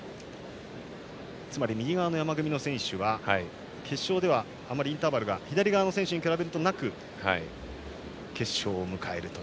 つまり右側の山組みの選手が決勝ではあまりインターバルが左側の選手と比べるとなく決勝を迎えるという。